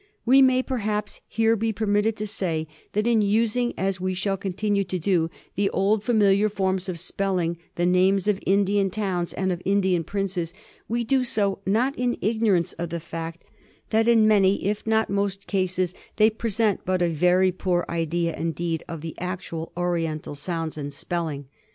We may perhaps here be permitted to say that in using, as we shall continue to do, the old familiar forms of spell ing the names of Indian towns and of Indian princes, we do so not in ignorance of the fact that in many, if not most cases, they present but a very poor idea indeed of the actual Oriental sounds and spelling.